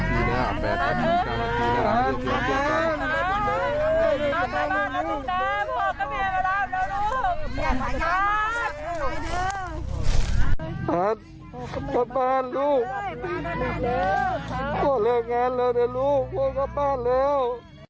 พ่อเรียกงั้นเลยนะลูกเข้าบ้านแล้ว